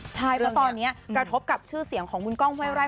ใช่เพราะตอนนี้กระทบกับชื่อเสียงของคุณกล้องห้วยไร่